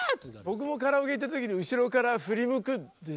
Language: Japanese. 僕もカラオケ行った時に後ろから振り向くって。